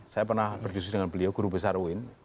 saya pernah berdiskusi dengan beliau guru besar uin